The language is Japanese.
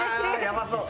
やばそう。